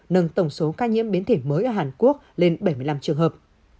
nâng tổng số ca nhiễm biến thể mới ở hàn quốc lên bảy mươi năm trường hợp